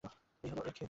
এই হল ওর খেদ।